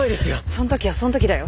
その時はその時だよ。